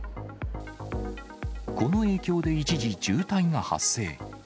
この影響で一時、渋滞が発生。